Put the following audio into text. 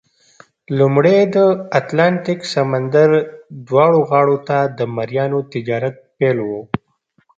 لومړی د اتلانتیک سمندر دواړو غاړو ته د مریانو تجارت پیل وو.